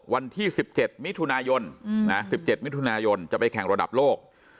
วันที่สิบเจ็ดมิถุนายนอืมนะสิบเจ็ดมิถุนายนจะไปแข่งระดับโลก